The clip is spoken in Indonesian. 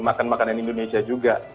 makan makanan indonesia juga